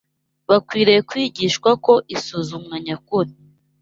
Bakwiriye kwigishwa ko isuzumwa nyakuri